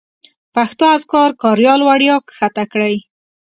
پښتو اذکار کاریال وړیا کښته کړئ